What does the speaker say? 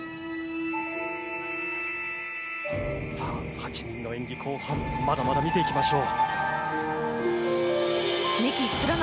８人の演技、後半、まだまだ見ていきましょう。